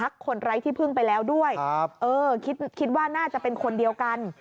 คิดน่าจะเป็นคนเดียวกัน